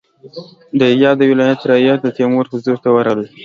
د ایریاب د ولایت رعیت د تیمور حضور ته ورغلل.